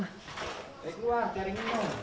naik luar cari minum